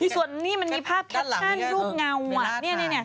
ส่วนนี้มันมีภาพแคปชั่นรูปเงา